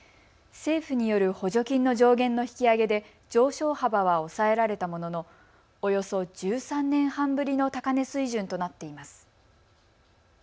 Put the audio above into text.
政府による補助金の上限の引き上げで上昇幅は抑えられたもののおよそ１３年半ぶりの高値水準となっています。